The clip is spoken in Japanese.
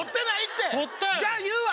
じゃあ言うわ。